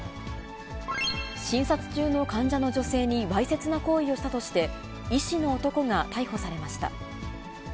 診察中の患者の女性にわいせつな行為をしたとして、医師の男が逮捕されました。